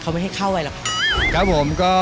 เขาไม่ให้เข้าไว้หรอก